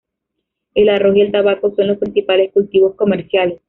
El arroz y el tabaco son los principales cultivos comerciales.